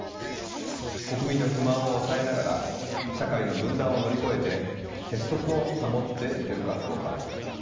国民の不満を抑えながら社会の分断を乗り越えて結束を保っていけるかどうか。